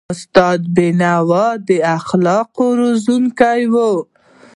استاد بینوا د اخلاقو روزونکی و.